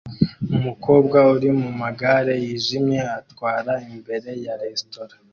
Umukobwa uri mumagare yijimye atwara imbere ya restaraunt